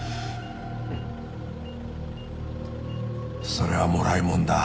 それはもらいもんだ。